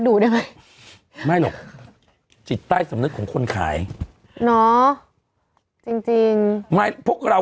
ดูได้ไหมไม่หรอกจิตใต้สำนึกของคนขายเนอะจริงจริงไม่พวกเรา